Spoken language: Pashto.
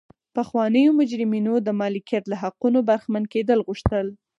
پخوانیو مجرمینو د مالکیت له حقونو برخمن کېدل غوښتل.